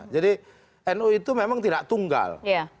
jadi nu itu memang tidak tunggal